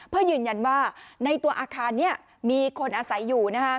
เพื่อยืนยันว่าในตัวอาคารนี้มีคนอาศัยอยู่